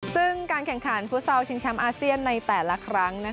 ซึ่งการแข่งขันฟุตซอลชิงแชมป์อาเซียนในแต่ละครั้ง